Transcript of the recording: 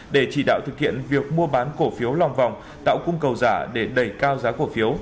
để chỉ đạo thực hiện việc mua bán cổ phiếu lòng vòng tạo cung cầu giả để đẩy cao giá cổ phiếu